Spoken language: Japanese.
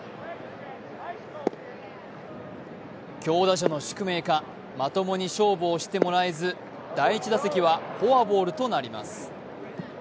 強打者の宿命か、まともに勝負してもらえず第１打席はフォアボールとなります。